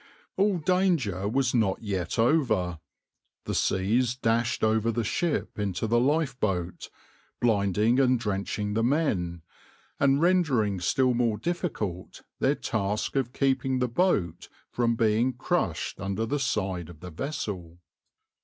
\par All danger was not yet over. The seas dashed over the ship into the lifeboat, blinding and drenching the men, and rendering still more difficult their task of keeping the boat from being crushed under the side of the vessel.